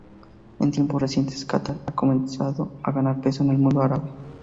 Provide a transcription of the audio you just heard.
En tiempos recientes Catar ha comenzado a ganar peso en el mundo árabe.